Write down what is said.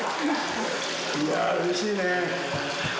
いやぁ、うれしいねぇ。